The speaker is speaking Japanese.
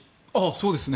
そうですね。